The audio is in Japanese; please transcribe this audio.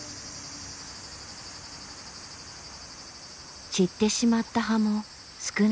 散ってしまった葉も少なくない。